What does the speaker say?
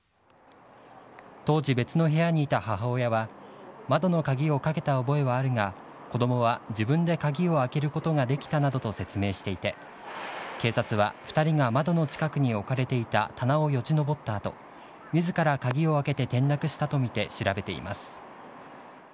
当時、別の部屋にいた母親は、窓の鍵をかけた覚えはあるが、子どもは自分で鍵を開けることができたなどと説明していて、警察は、２人が窓の近くに置かれていた棚をよじ登ったあと、みずから鍵を開けて転落したと見て、調べています。